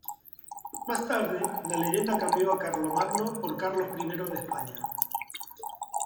Más tarde, la leyenda cambió a Carlomagno por Carlos I de España.